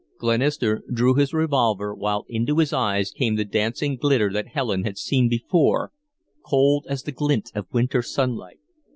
Glenister drew his revolver, while into his eyes came the dancing glitter that Helen had seen before, cold as the glint of winter sunlight.